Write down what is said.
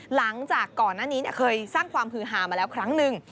หลังจากก่อนหน้านี้เคยสร้างความฮือฮามาแล้วครั้งหนึ่ง